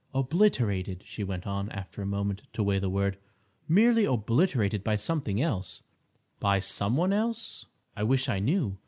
"Obliterated," she went on, after a moment to weigh the word, "merely obliterated by something else—" "By some one else?" "I wish I knew.